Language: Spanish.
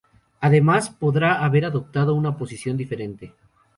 Además podría haber adoptado una posición diferente...